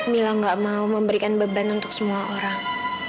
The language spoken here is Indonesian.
mila gak mau memberikan beban untuk semua orang